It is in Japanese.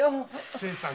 新さん